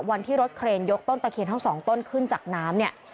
วันที่รถเคลนยกต้นแต่เคียนทึ่งซองต้นขึ้นจากน้ำ